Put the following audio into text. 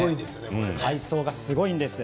海藻がすごいんです。